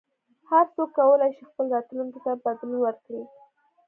هر څوک کولای شي خپل راتلونکي ته بدلون ورکړي.